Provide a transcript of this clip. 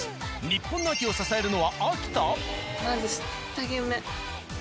日本の秋を支えるのは秋田？